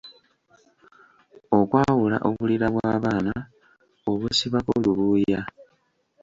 Okwawula obulira bw’abaana obusibako lubuuya.